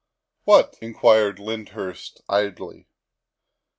" What?" inquired Lyndhurst idly.